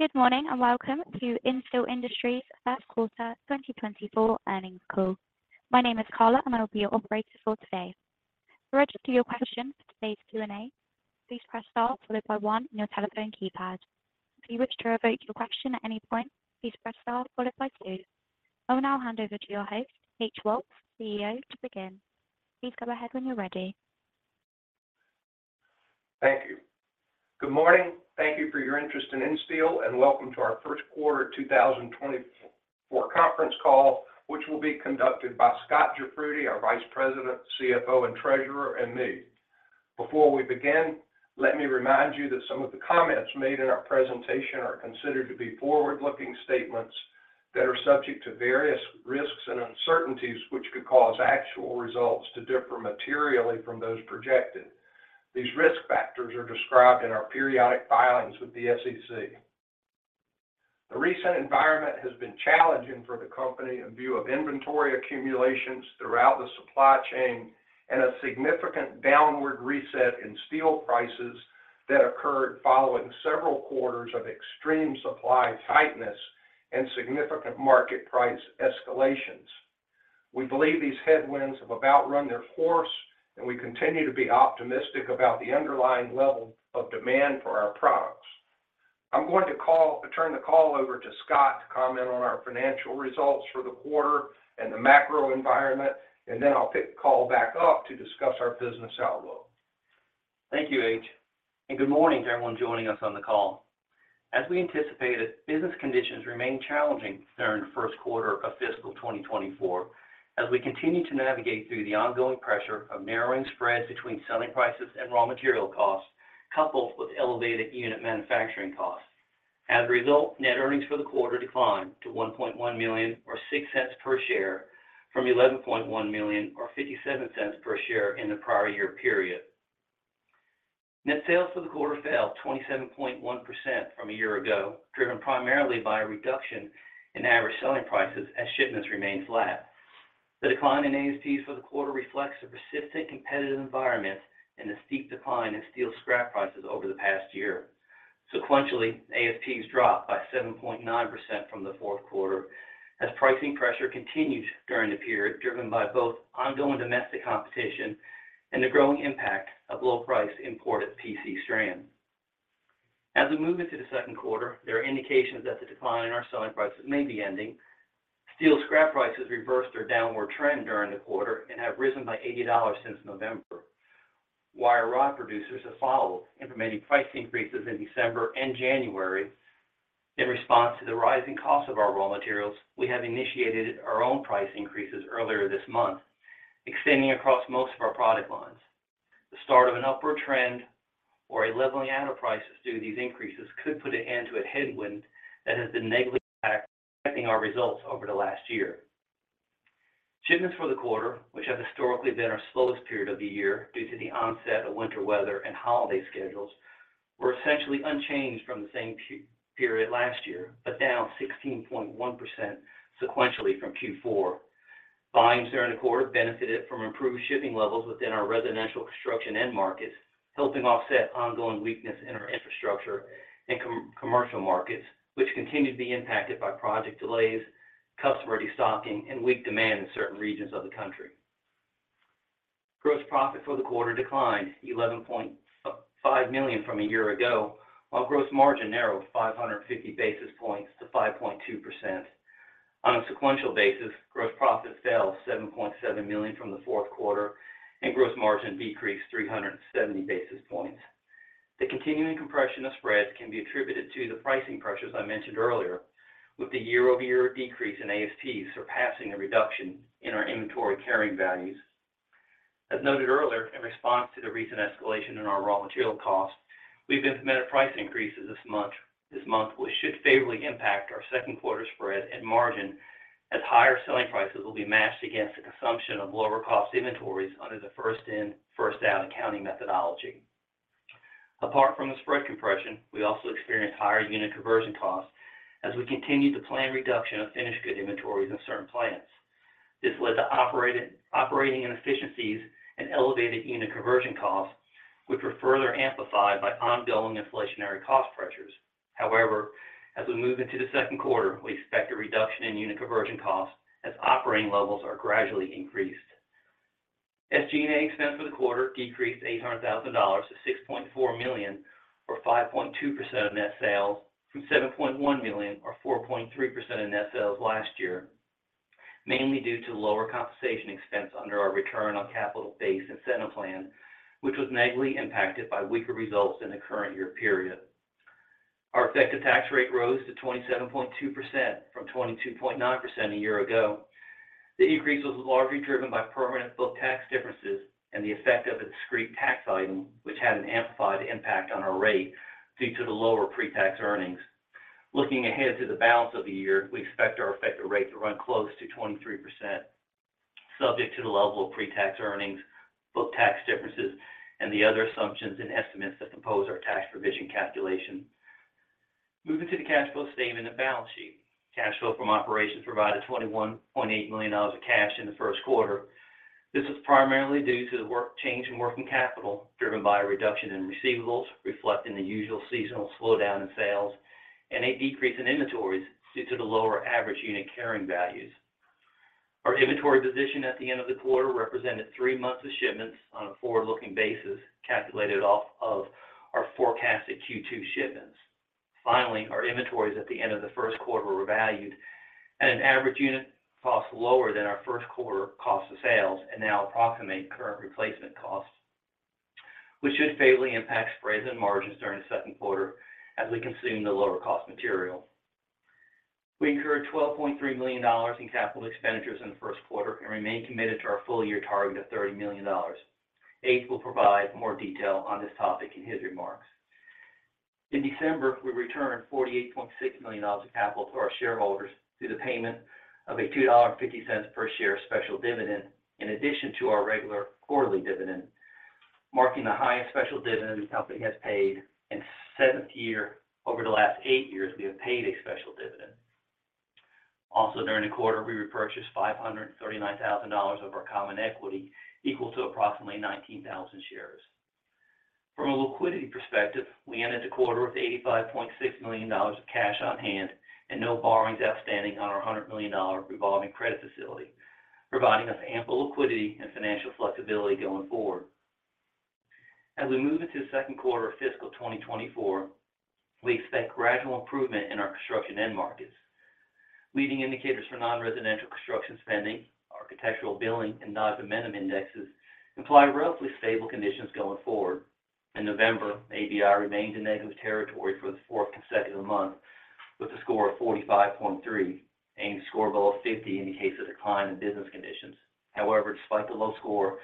Good morning, and welcome to Insteel Industries' first quarter 2024 earnings call. My name is Carla, and I will be your operator for today. To register your question for today's Q&A, please press star followed by 1 on your telephone keypad. If you wish to revoke your question at any point, please press star followed by 2. I will now hand over to your host, H. Woltz, CEO, to begin. Please go ahead when you're ready. Thank you. Good morning. Thank you for your interest in Insteel, and welcome to our first quarter 2024 conference call, which will be conducted by Scot Jafroodi, our Vice President, CFO, and Treasurer, and me. Before we begin, let me remind you that some of the comments made in our presentation are considered to be forward-looking statements that are subject to various risks and uncertainties, which could cause actual results to differ materially from those projected. These risk factors are described in our periodic filings with the SEC. The recent environment has been challenging for the company in view of inventory accumulations throughout the supply chain and a significant downward reset in steel prices that occurred following several quarters of extreme supply tightness and significant market price escalations. We believe these headwinds have about run their course, and we continue to be optimistic about the underlying level of demand for our products. I'm going to turn the call over to Scot to comment on our financial results for the quarter and the macro environment, and then I'll pick the call back up to discuss our business outlook. Thank you, H. And good morning to everyone joining us on the call. As we anticipated, business conditions remained challenging during the first quarter of fiscal 2024, as we continued to navigate through the ongoing pressure of narrowing spreads between selling prices and raw material costs, coupled with elevated unit manufacturing costs. As a result, net earnings for the quarter declined to $1.1 million, or 6 cents per share, from $11.1 million, or 57 cents per share in the prior year period. Net sales for the quarter fell 27.1% from a year ago, driven primarily by a reduction in average selling prices as shipments remained flat. The decline in ASPs for the quarter reflects a persistent competitive environment and a steep decline in steel scrap prices over the past year. Sequentially, ASPs dropped by 7.9% from the fourth quarter as pricing pressure continued during the period, driven by both ongoing domestic competition and the growing impact of low-price imported PC strand. As we move into the second quarter, there are indications that the decline in our selling prices may be ending. Steel scrap prices reversed their downward trend during the quarter and have risen by $80 since November. Wire rod producers have followed, implementing price increases in December and January. In response to the rising cost of our raw materials, we have initiated our own price increases earlier this month, extending across most of our product lines. The start of an upward trend or a leveling out of prices due to these increases could put an end to a headwind that has been negatively impacting our results over the last year. Shipments for the quarter, which have historically been our slowest period of the year due to the onset of winter weather and holiday schedules, were essentially unchanged from the same period last year, but down 16.1% sequentially from Q4. Volumes during the quarter benefited from improved shipping levels within our residential construction end markets, helping offset ongoing weakness in our infrastructure and commercial markets, which continued to be impacted by project delays, customer destocking, and weak demand in certain regions of the country. Gross profit for the quarter declined $11.5 million from a year ago, while gross margin narrowed 550 basis points to 5.2%. On a sequential basis, gross profit fell $7.7 million from the fourth quarter and gross margin decreased 370 basis points. The continuing compression of spreads can be attributed to the pricing pressures I mentioned earlier, with the year-over-year decrease in ASPs surpassing the reduction in our inventory carrying values. As noted earlier, in response to the recent escalation in our raw material costs, we've implemented price increases this month, which should favorably impact our second quarter spread and margin, as higher selling prices will be matched against the consumption of lower-cost inventories under the first in, first out accounting methodology. Apart from the spread compression, we also experienced higher unit conversion costs as we continued the planned reduction of finished good inventories in certain plants. This led to operating inefficiencies and elevated unit conversion costs, which were further amplified by ongoing inflationary cost pressures. However, as we move into the second quarter, we expect a reduction in unit conversion costs as operating levels are gradually increased. SG&A expense for the quarter decreased $800,000 to $6.4 million, or 5.2% of net sales, from $7.1 million, or 4.3% of net sales last year, mainly due to lower compensation expense under our Return on Capital-based incentive plan, which was negatively impacted by weaker results in the current year period. Our effective tax rate rose to 27.2% from 22.9% a year ago. The increase was largely driven by permanent book tax differences and the effect of a discrete tax item, which had an amplified impact on our rate due to the lower pre-tax earnings. Looking ahead to the balance of the year, we expect our effective rate to run close to 23%, subject to the level of pre-tax earnings, book tax differences, and the other assumptions and estimates that compose our tax provision calculation. Moving to the cash flow statement and balance sheet. Cash flow from operations provided $21.8 million of cash in the first quarter. This is primarily due to the net change in working capital, driven by a reduction in receivables, reflecting the usual seasonal slowdown in sales, and a decrease in inventories due to the lower average unit carrying values. Our inventory position at the end of the quarter represented three months of shipments on a forward-looking basis, calculated off of our forecasted Q2 shipments. Finally, our inventories at the end of the first quarter were valued at an average unit cost lower than our first quarter cost of sales, and now approximate current replacement costs, which should favorably impact spreads and margins during the second quarter as we consume the lower-cost material. We incurred $12.3 million in capital expenditures in the first quarter and remain committed to our full-year target of $30 million. H will provide more detail on this topic in his remarks. In December, we returned $48.6 million of capital to our shareholders through the payment of a $2.50 per share special dividend, in addition to our regular quarterly dividend, marking the highest special dividend the company has paid, and seventh year over the last eight years, we have paid a special dividend. Also, during the quarter, we repurchased $539,000 of our common equity, equal to approximately 19,000 shares. From a liquidity perspective, we ended the quarter with $85.6 million of cash on hand and no borrowings outstanding on our $100 million revolving credit facility, providing us ample liquidity and financial flexibility going forward. As we move into the second quarter of fiscal 2024, we expect gradual improvement in our construction end markets. Leading indicators for nonresidential construction spending, architectural billings, and Dodge Momentum Index imply relatively stable conditions going forward. In November, ABI remained in negative territory for the fourth consecutive month, with a score of 45.3. Any score below 50 indicates a decline in business conditions. However, despite the low score,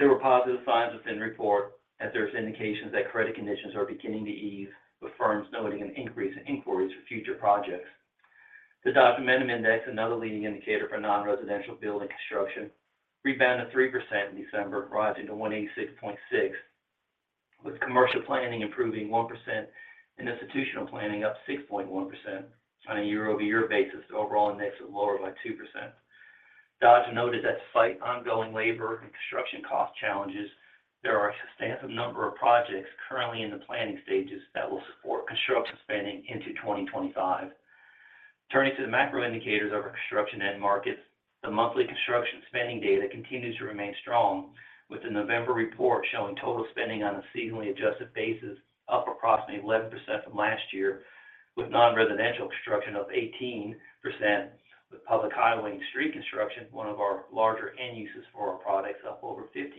there were positive signs within the report, as there's indications that credit conditions are beginning to ease, with firms noting an increase in inquiries for future projects. The Dodge Momentum Index, another leading indicator for nonresidential building construction, rebounded 3% in December, rising to 186.6, with commercial planning improving 1% and institutional planning up 6.1%. On a year-over-year basis, the overall index is lower by 2%. Dodge noted that despite ongoing labor and construction cost challenges, there are a substantive number of projects currently in the planning stages that will support construction spending into 2025. Turning to the macro indicators of our construction end markets, the monthly construction spending data continues to remain strong, with the November report showing total spending on a seasonally adjusted basis, up approximately 11% from last year, with nonresidential construction up 18%, with public highway and street construction, one of our larger end uses for our products, up over 15%.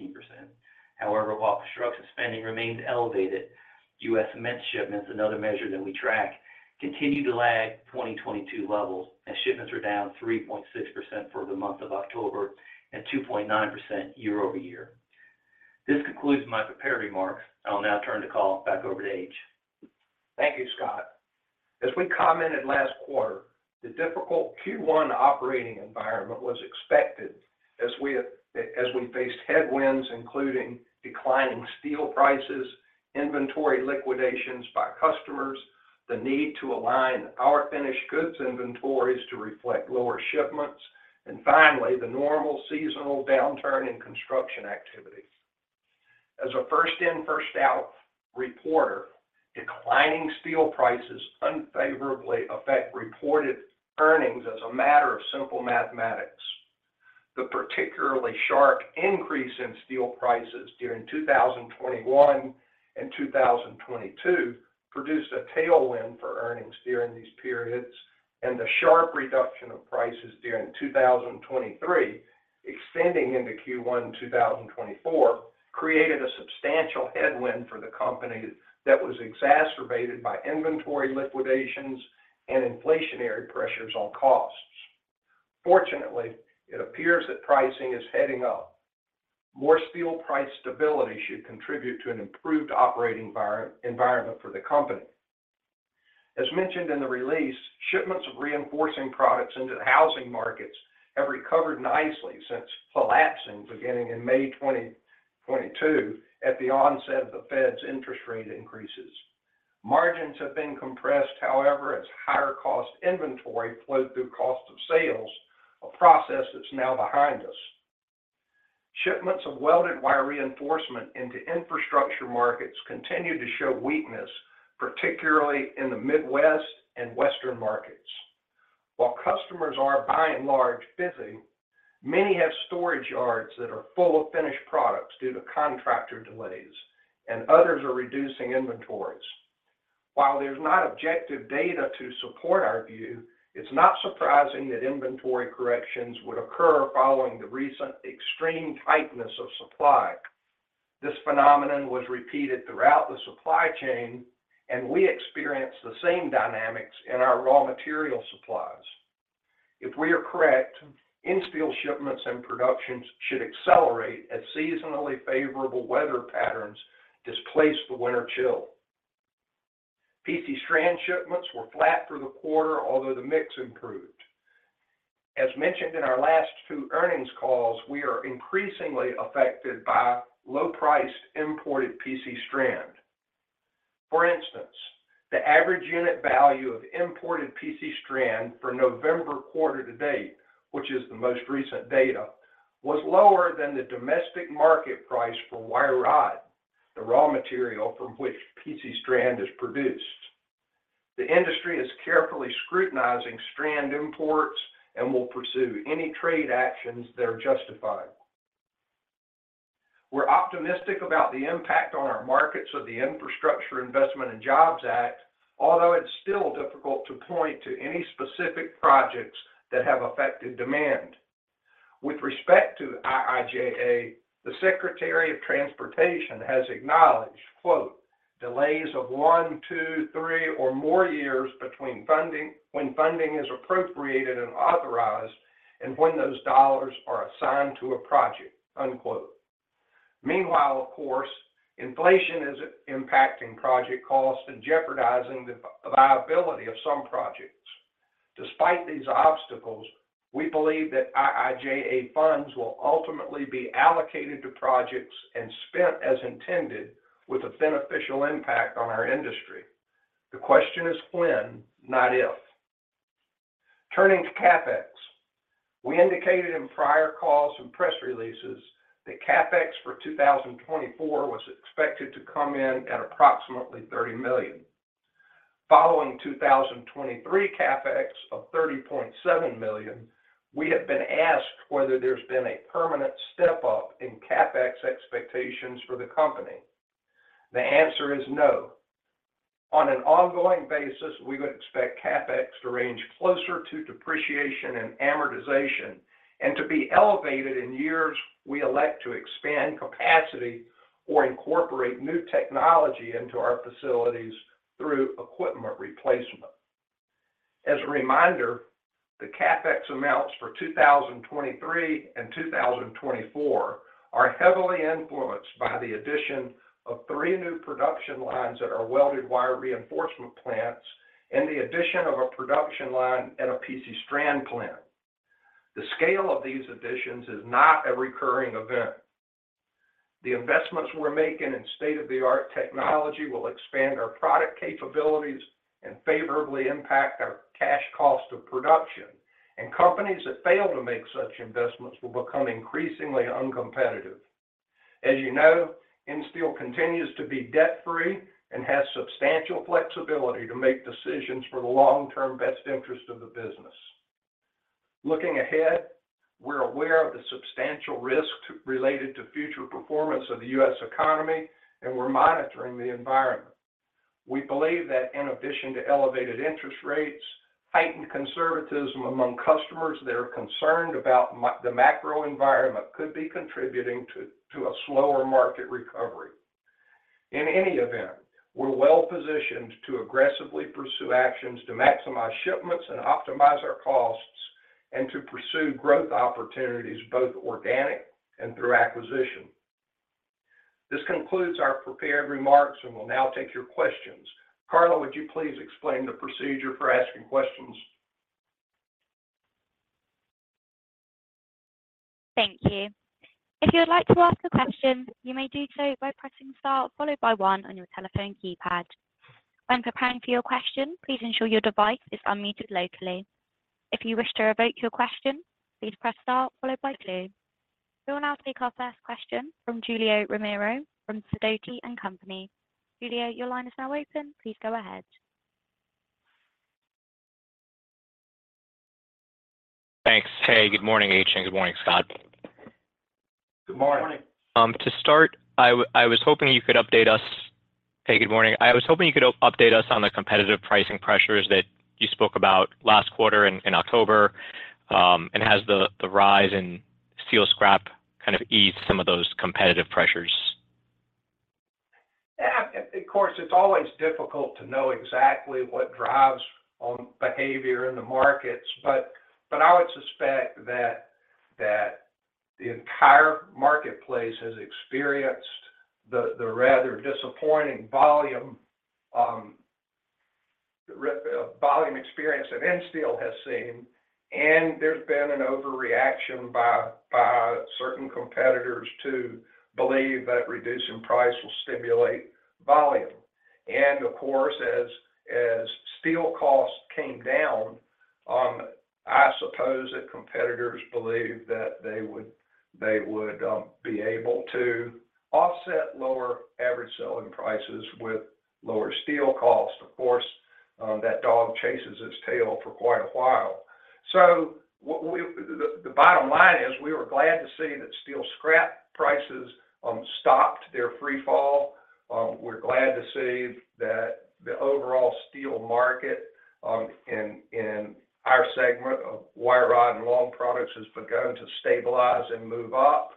However, while construction spending remains elevated, U.S. cement shipments, another measure that we track, continued to lag 2022 levels, as shipments were down 3.6% for the month of October and 2.9% year-over-year. This concludes my prepared remarks. I will now turn the call back over to H. Thank you, Scot. As we commented last quarter, the difficult Q1 operating environment was expected as we faced headwinds, including declining steel prices, inventory liquidations by customers, the need to align our finished goods inventories to reflect lower shipments, and finally, the normal seasonal downturn in construction activity. As a first in, first out reporter, declining steel prices unfavorably affect reported earnings as a matter of simple mathematics. The particularly sharp increase in steel prices during 2021 and 2022 produced a tailwind for earnings during these periods, and the sharp reduction of prices during 2023, extending into Q1 2024, created a substantial headwind for the company that was exacerbated by inventory liquidations and inflationary pressures on costs. Fortunately, it appears that pricing is heading up. More steel price stability should contribute to an improved operating environment for the company. As mentioned in the release, shipments of reinforcing products into the housing markets have recovered nicely since collapsing beginning in May 2022, at the onset of the Fed's interest rate increases. Margins have been compressed, however, as higher-cost inventory flowed through cost of sales, a process that's now behind us. Shipments of welded wire reinforcement into infrastructure markets continue to show weakness, particularly in the Midwest and Western markets. While customers are, by and large, busy, many have storage yards that are full of finished products due to contractor delays, and others are reducing inventories. While there's not objective data to support our view, it's not surprising that inventory corrections would occur following the recent extreme tightness of supply. This phenomenon was repeated throughout the supply chain, and we experienced the same dynamics in our raw material supplies. If we are correct, Insteel shipments and productions should accelerate as seasonally favorable weather patterns displace the winter chill. PC strand shipments were flat for the quarter, although the mix improved. As mentioned in our last two earnings calls, we are increasingly affected by low-priced imported PC strand. For instance, the average unit value of imported PC strand for November quarter to date, which is the most recent data, was lower than the domestic market price for wire rod, the raw material from which PC strand is produced. The industry is carefully scrutinizing strand imports and will pursue any trade actions that are justified. We're optimistic about the impact on our markets of the Infrastructure Investment and Jobs Act, although it's still difficult to point to any specific projects that have affected demand. With respect to IIJA, the Secretary of Transportation has acknowledged, quote, "Delays of one, two, three, or more years between funding, when funding is appropriated and authorized, and when those dollars are assigned to a project." Unquote. Meanwhile, of course, inflation is impacting project costs and jeopardizing the viability of some projects. Despite these obstacles, we believe that IIJA funds will ultimately be allocated to projects and spent as intended, with a beneficial impact on our industry. The question is when, not if. Turning to CapEx, we indicated in prior calls and press releases that CapEx for 2024 was expected to come in at approximately $30 million. Following 2023 CapEx of $30.7 million, we have been asked whether there's been a permanent step-up in CapEx expectations for the company. The answer is no. On an ongoing basis, we would expect CapEx to range closer to depreciation and amortization, and to be elevated in years we elect to expand capacity or incorporate new technology into our facilities through equipment replacement. As a reminder, the CapEx amounts for 2023 and 2024 are heavily influenced by the addition of three new production lines at our welded wire reinforcement plants, and the addition of a production line at a PC strand plant. The scale of these additions is not a recurring event. The investments we're making in state-of-the-art technology will expand our product capabilities and favorably impact our cash cost of production. Companies that fail to make such investments will become increasingly uncompetitive. As you know, Insteel continues to be debt-free and has substantial flexibility to make decisions for the long-term best interest of the business. Looking ahead, we're aware of the substantial risks related to future performance of the U.S. economy, and we're monitoring the environment. We believe that in addition to elevated interest rates, heightened conservatism among customers that are concerned about the macro environment could be contributing to a slower market recovery. In any event, we're well-positioned to aggressively pursue actions to maximize shipments and optimize our costs, and to pursue growth opportunities, both organic and through acquisition. This concludes our prepared remarks, and we'll now take your questions. Carla, would you please explain the procedure for asking questions? Thank you. If you would like to ask a question, you may do so by pressing star followed by one on your telephone keypad. When preparing for your question, please ensure your device is unmuted locally. If you wish to revoke your question, please press star followed by two. We will now take our first question from Julio Romero from Sidoti & Company. Julio, your line is now open. Please go ahead. Thanks. Hey, good morning, H., and good morning, Scot. Good morning. To start, I was hoping you could update us. Hey, good morning. I was hoping you could update us on the competitive pricing pressures that you spoke about last quarter in October. And has the rise in steel scrap kind of eased some of those competitive pressures? Yeah, of course, it's always difficult to know exactly what drives behavior in the markets. But I would suspect that the entire marketplace has experienced the rather disappointing volume experience that Insteel has seen, and there's been an overreaction by certain competitors to believe that reducing price will stimulate volume. And of course, as steel costs came down, I suppose that competitors believed that they would be able to offset lower average selling prices with lower steel costs. Of course, that dog chases its tail for quite a while. So the bottom line is, we were glad to see that steel scrap prices stopped their free fall. We're glad to see that the overall steel market, in our segment of wire rod and long products, has begun to stabilize and move up.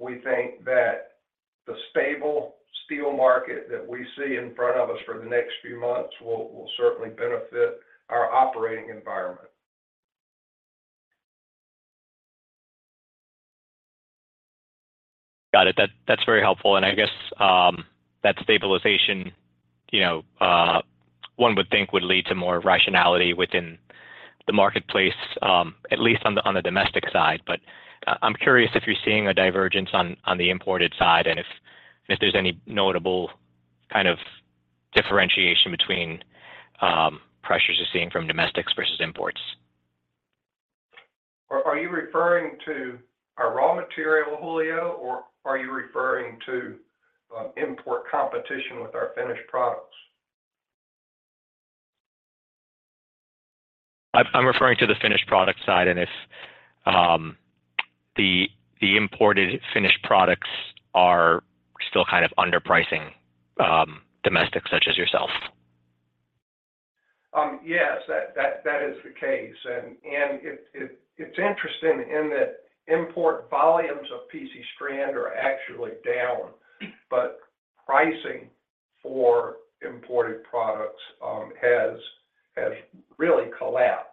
We think that the stable steel market that we see in front of us for the next few months will certainly benefit our operating environment. Got it. That, that's very helpful. And I guess, that stabilization, you know, one would think would lead to more rationality within the marketplace, at least on the, on the domestic side. But I'm curious if you're seeing a divergence on, on the imported side, and if, and if there's any notable kind of differentiation between, pressures you're seeing from domestics versus imports? Are you referring to our raw material, Julio, or are you referring to import competition with our finished products? I'm referring to the finished product side, and if the imported finished products are still kind of underpricing domestics such as yourself. Yes, that is the case, and it's interesting in that import volumes of PC strand are actually down, but pricing for imported products has really collapsed.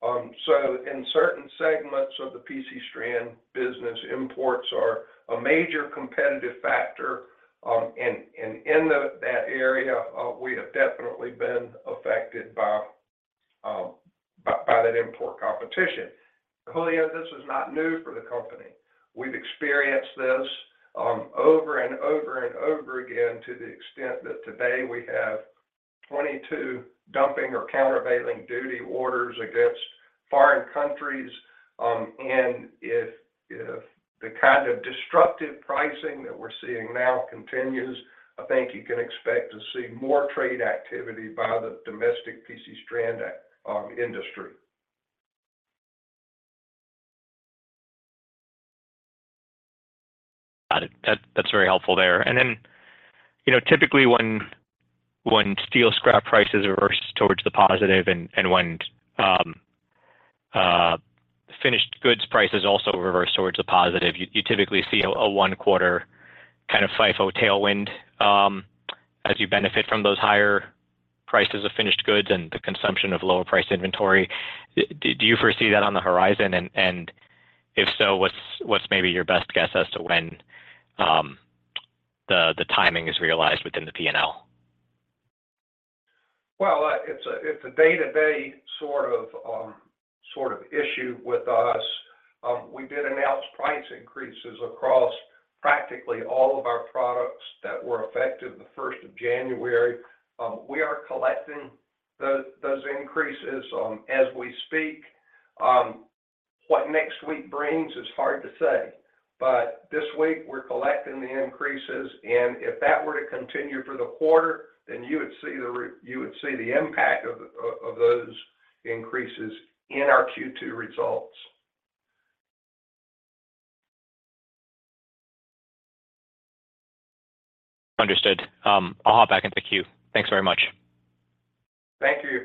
So in certain segments of the PC strand business, imports are a major competitive factor, and in that area, we have definitely been affected by that import competition. Julio, this is not new for the company. We've experienced this over and over and over again, to the extent that today we have 22 dumping or countervailing duty orders against foreign countries. And if the kind of destructive pricing that we're seeing now continues, I think you can expect to see more trade activity by the domestic PC strand industry. Got it. That's very helpful there. And then, you know, typically, when steel scrap prices reverse towards the positive and when finished goods prices also reverse towards the positive, you typically see a one quarter kind of FIFO tailwind, as you benefit from those higher prices of finished goods and the consumption of lower priced inventory. Do you foresee that on the horizon? And if so, what's maybe your best guess as to when the timing is realized within the P&L? Well, it's a day-to-day sort of issue with us. We did announce price increases across practically all of our products that were effective the first of January. We are collecting those increases as we speak. What next week brings is hard to say, but this week we're collecting the increases, and if that were to continue for the quarter, then you would see the impact of those increases in our Q2 results. Understood. I'll hop back in the queue. Thanks very much. Thank you.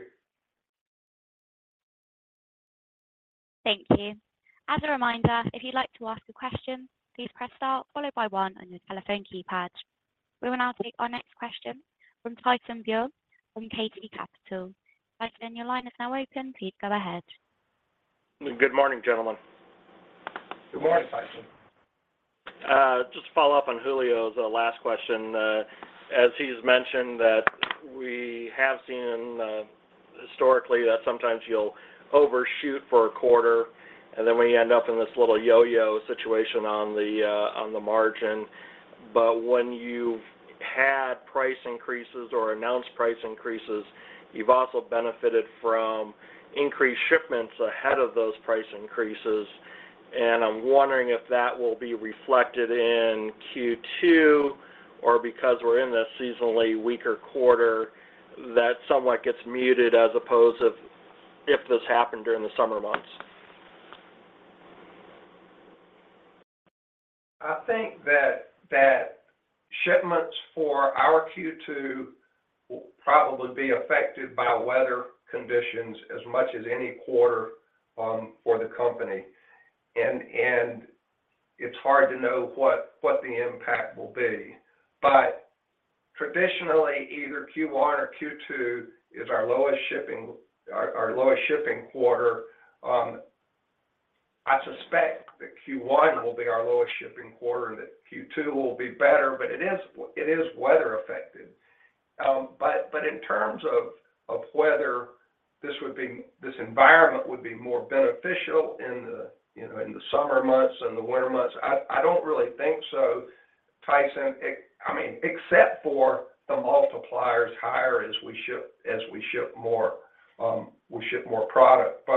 Thank you. As a reminder, if you'd like to ask a question, please press star followed by one on your telephone keypad. We will now take our next question from Tyson Bauer from KC Capital. Tyson, your line is now open. Please go ahead. Good morning, gentlemen. Good morning, Tyson. Just to follow up on Julio's last question, as he's mentioned, that we have seen, historically, that sometimes you'll overshoot for a quarter, and then we end up in this little yo-yo situation on the margin. But when you've had price increases or announced price increases, you've also benefited from increased shipments ahead of those price increases, and I'm wondering if that will be reflected in Q2, or because we're in a seasonally weaker quarter, that somewhat gets muted as opposed of if this happened during the summer months. I think that shipments for our Q2 will probably be affected by weather conditions as much as any quarter for the company, and it's hard to know what the impact will be. But traditionally, either Q1 or Q2 is our lowest shipping quarter. I suspect that Q1 will be our lowest shipping quarter, that Q2 will be better, but it is weather affected. But in terms of whether this would be this environment would be more beneficial in the, you know, in the summer months and the winter months, I don't really think so, Tyson. I mean, except for the multipliers higher as we ship more, we ship more product.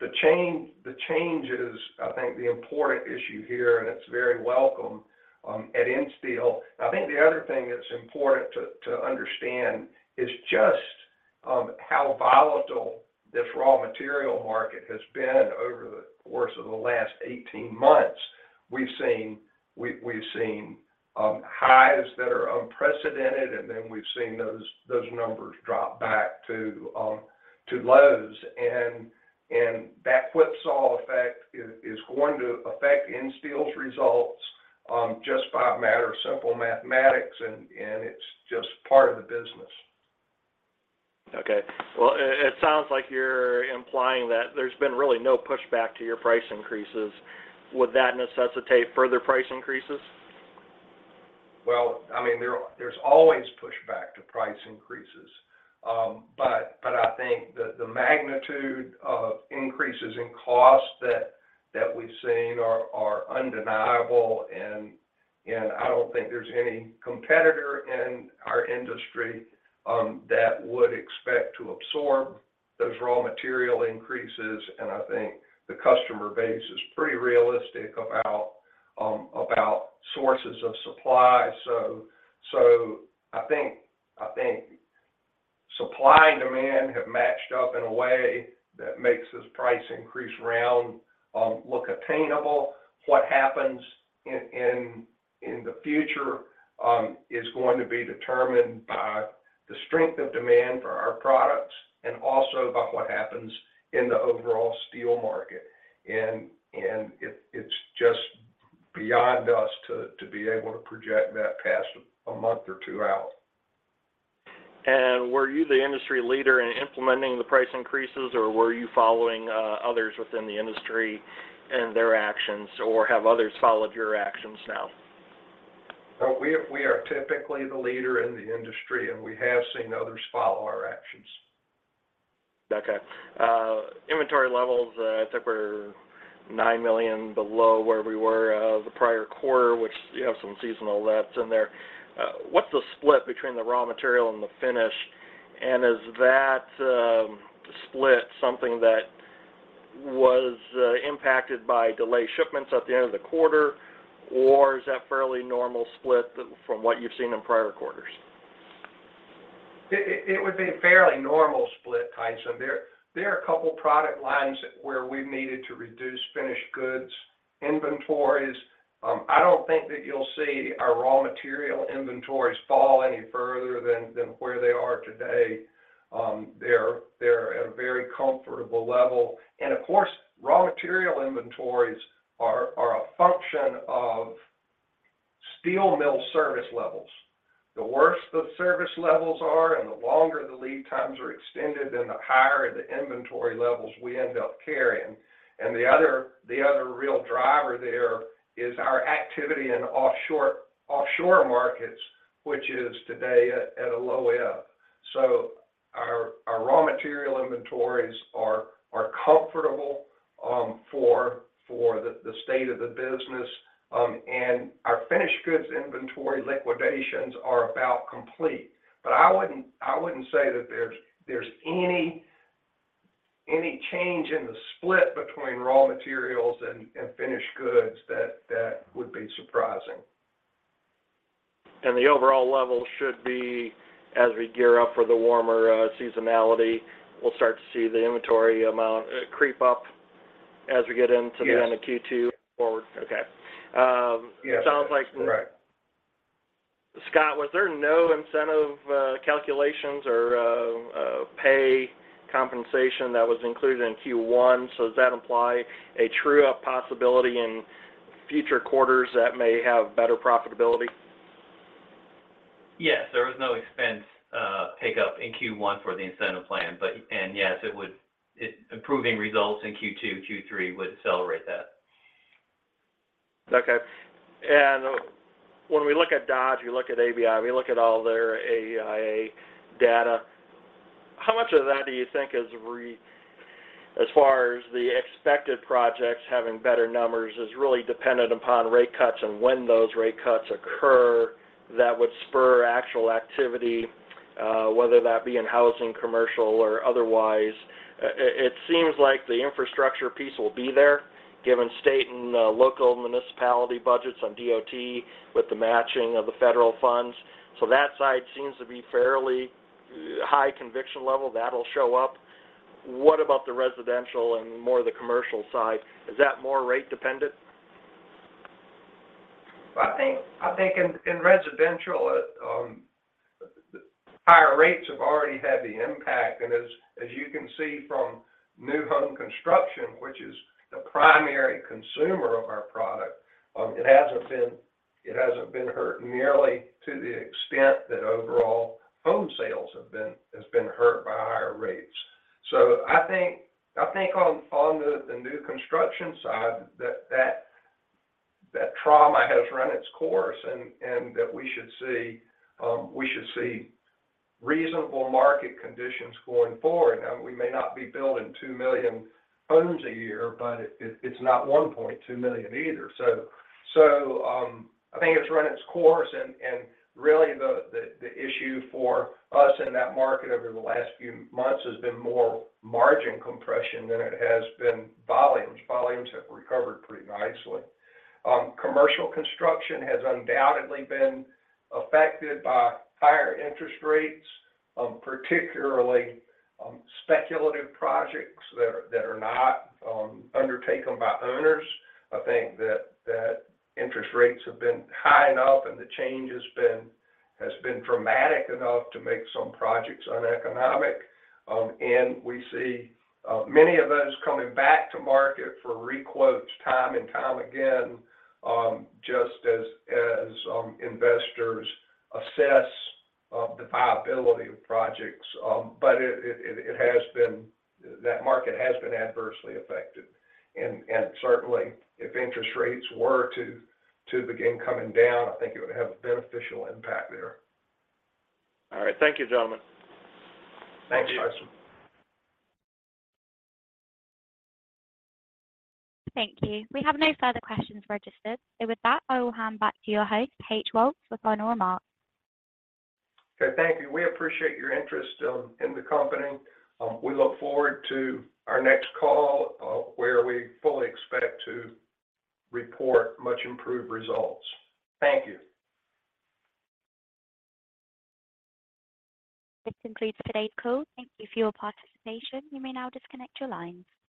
But the change is, I think, the important issue here, and it's very welcome at Insteel. I think the other thing that's important to understand is just how volatile this raw material market has been over the course of the last 18 months. We've seen highs that are unprecedented, and then we've seen those numbers drop back to lows, and that whipsaw effect is going to affect Insteel's results just by a matter of simple mathematics, and it's just part of the business. Okay. Well, it sounds like you're implying that there's been really no pushback to your price increases. Would that necessitate further price increases?... Well, I mean, there's always pushback to price increases. But I think the magnitude of increases in costs that we've seen are undeniable, and I don't think there's any competitor in our industry that would expect to absorb those raw material increases. And I think the customer base is pretty realistic about sources of supply. So I think supply and demand have matched up in a way that makes this price increase round look attainable. What happens in the future is going to be determined by the strength of demand for our products and also by what happens in the overall steel market. And it is just beyond us to be able to project that past a month or two out. Were you the industry leader in implementing the price increases, or were you following others within the industry and their actions, or have others followed your actions now? We are typically the leader in the industry, and we have seen others follow our actions. Okay. Inventory levels, I think we're $9 million below where we were the prior quarter, which you have some seasonal lapse in there. What's the split between the raw material and the finish? And is that split something that was impacted by delayed shipments at the end of the quarter, or is that fairly normal split from what you've seen in prior quarters? It would be a fairly normal split, Tyson. There are a couple product lines where we've needed to reduce finished goods inventories. I don't think that you'll see our raw material inventories fall any further than where they are today. They're at a very comfortable level. And of course, raw material inventories are a function of steel mill service levels. The worse the service levels are and the longer the lead times are extended, then the higher the inventory levels we end up carrying. And the other real driver there is our activity in offshore markets, which is today at a low ebb. So our raw material inventories are comfortable for the state of the business. And our finished goods inventory liquidations are about complete. But I wouldn't say that there's any change in the split between raw materials and finished goods that would be surprising. The overall level should be, as we gear up for the warmer seasonality, we'll start to see the inventory amount creep up as we get into- Yes. the end of Q2 forward? Okay. Yes. Sounds like- Correct. Scot, was there no incentive calculations or pay compensation that was included in Q1? So does that imply a true-up possibility in future quarters that may have better profitability? Yes, there was no expense pickup in Q1 for the incentive plan, but... And yes, it would, improving results in Q2, Q3 would accelerate that. Okay. And when we look at Dodge, we look at ABI, we look at all their AIA data, how much of that do you think is as far as the expected projects having better numbers, is really dependent upon rate cuts and when those rate cuts occur, that would spur actual activity, whether that be in housing, commercial, or otherwise? It seems like the infrastructure piece will be there, given state and local municipality budgets on DOT with the matching of the federal funds. So that side seems to be fairly high conviction level, that'll show up. What about the residential and more the commercial side? Is that more rate dependent? I think in residential, higher rates have already had the impact. And as you can see from new home construction, which is the primary consumer of our product, it hasn't been hurt nearly to the extent that overall home sales have been hurt by higher rates. So I think on the new construction side, that trauma has run its course, and that we should see reasonable market conditions going forward. Now, we may not be building 2 million homes a year, but it's not 1.2 million either. So I think it's run its course, and really the issue for us in that market over the last few months has been more margin compression than it has been volumes. Volumes have recovered pretty nicely. Commercial construction has undoubtedly been affected by higher interest rates, particularly speculative projects that are not undertaken by owners. I think interest rates have been high enough and the change has been dramatic enough to make some projects uneconomic. And we see many of those coming back to market for requotes time and time again, just as investors assess the viability of projects. But that market has been adversely affected. And certainly, if interest rates were to begin coming down, I think it would have a beneficial impact there. All right. Thank you, gentlemen. Thanks, Tyson. Thank you. We have no further questions registered. So with that, I will hand back to your host, H.O. Woltz, for final remarks. Okay, thank you. We appreciate your interest in the company. We look forward to our next call, where we fully expect to report much improved results. Thank you. This concludes today's call. Thank you for your participation. You may now disconnect your lines.